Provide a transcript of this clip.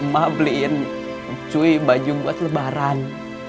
mak beliin cuy baju buat lebaran